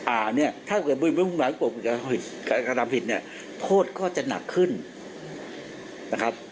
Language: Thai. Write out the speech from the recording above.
อ่าเนี่ยถ้าเกิดมุ่งไหวปกปิดการทำผิดเนี่ยโทษก็จะหนักขึ้นนะครับ